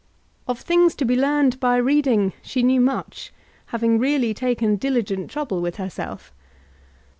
Of things to be learned by reading she knew much, having really taken diligent trouble with herself.